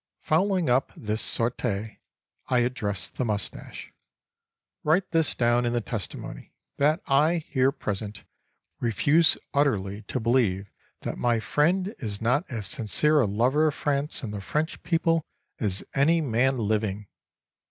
Following up this sortie, I addressed the mustache: "Write this down in the testimony—that I, here present, refuse utterly to believe that my friend is not as sincere a lover of France and the French people as any man living!